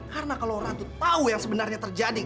karena kalau ratu tahu yang sebenarnya terjadi gak